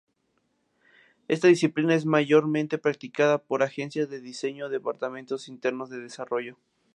Esta disciplina es mayormente practicada por agencias de diseño o departamentos internos de desarrollo.